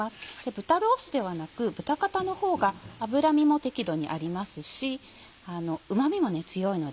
豚ロースではなく豚肩の方が脂身も適度にありますしうまみも強いので。